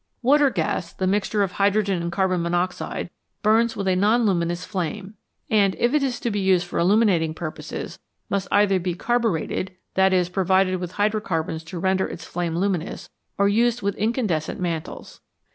Water gas, this mixture of hydrogen and carbon monoxide, burns with a non luminous flame, and, if it is 151 MORE ABOUT FUEL to be used for illuminating purposes, must either be carburetted that is, provided with hydro carbons to render its flame luminous, or used with incandescent mantles.